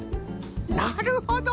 なるほど！